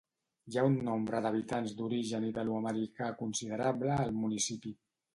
Hi ha un nombre d'habitants d'origen italoamericà considerable al municipi.